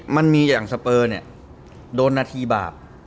มันมีอย่างสเปอร์เนี่ยโดนนาทีบาป